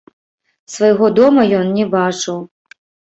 Свайго дома ён не бачыў.